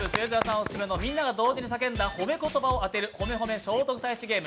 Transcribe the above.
オススメのみんなが言った褒め言葉を当てる「ほめほめ聖徳太子ゲーム」。